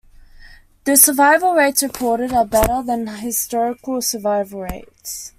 The survival rates reported are better than historical survival rates.